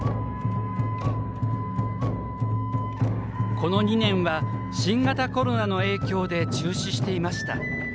この２年は新型コロナの影響で中止していました。